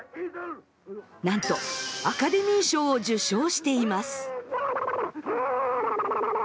なんとアカデミー賞を受賞しています。